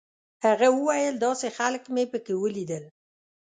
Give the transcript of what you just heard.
هغه ویل داسې خلک مې په کې ولیدل.